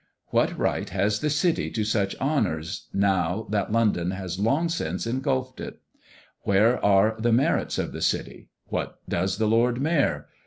What right has the City to such honours, now that London has long since engulphed it? Where are the merits of the City? What does the Lord Mayor?